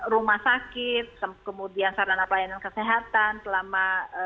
rumah sakit kemudian sarana pelayanan kesehatan selama